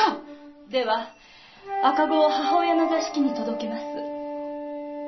〔では赤子を母親の座敷に届けます〕